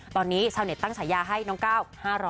ตอนนี้ชาวเน็ตตั้งฉายาให้น้องก้าว๕๐๐